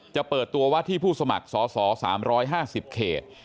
จะเปิดตัวว่าที่ผู้สมัครสอสอ๓๕๐เขต